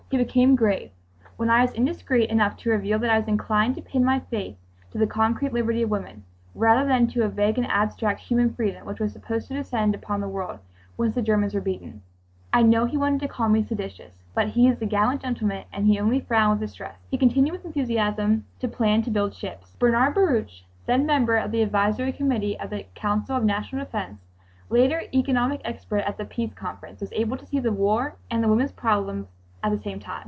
He became grave. When I was indiscreet enough to reveal that I was inclined to pin my faith to the concrete liberty of women, rather than to a vague and abstract "human freedom," which was supposed to descend upon the world, once the Germans were beaten, I know he wanted to call me "seditious." But he is a gallant gentleman and he only frowned with distress. He continued with enthusiasm to plan to build ships. Bernard Baruch, then member of the Advisory Committee of the Council of National Defense, later economic expert at the Peace Conference, was able to see the war and the women's problem at the same time.